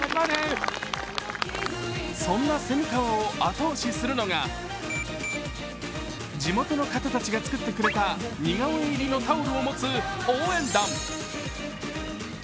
そんな蝉川を後押しするのが地元の方たちが作ってくれた似顔絵入りのタオルを持つ応援団。